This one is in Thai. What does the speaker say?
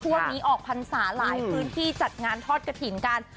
ออกนี้ออกพรรษาหลายพื้นที่จัดงานทอดกระถิ่นกัน